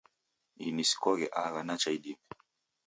Ini sikoghe aha nacha idime